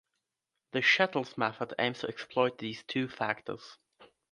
The Shettles method aims to exploit these two factors.